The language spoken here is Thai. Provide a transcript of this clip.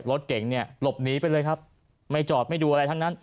รถเก่งเนี่ยหลบหนีไปเลยครับไม่จอดไม่ดูอะไรทั้งนั้น